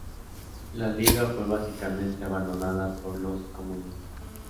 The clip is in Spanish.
La Liga fue básicamente abandonada por los comunistas.